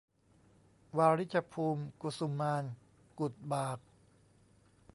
วาริชภูมิ กุสุมาลย์ กุดบาก